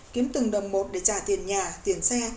kiếm từng đồng một để trả tiền nhà tiền xe